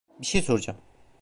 Bir şey soracağım.